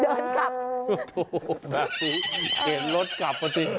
เดินกลับดูแบบนี้เดินรถกลับเหรอนิ